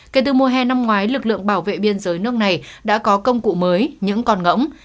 kể từ mùa hè năm ngoái lực lượng bảo vệ biên giới nước này đã có công cụ mới những con ngỗng